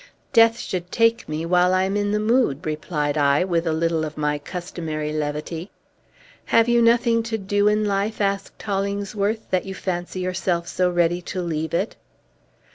"Death should take me while I am in the mood," replied I, with a little of my customary levity. "Have you nothing to do in life," asked Hollingsworth, "that you fancy yourself so ready to leave it?"